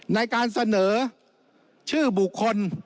ในการเสนอชื่อบุคคล